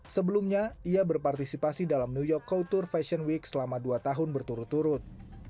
sebelumnya ia berpartisipasi dalam new york couture fashion week selama dua tahun berturut turut